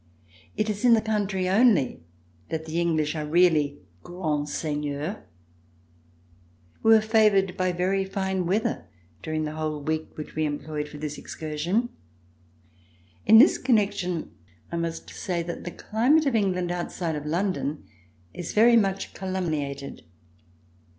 It is in the country only that the English are really grands seigneurs. We were favored by very fine weather during the whole week which we employed for this excursion. In this connection, I must say that the climate of England, outside of London, is very much calumniated.